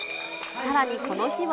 さらに、この日は。